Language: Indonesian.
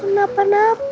ke herman bangsa grounding